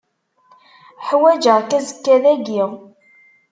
Ḥwaǧeɣ-k azekka dagi.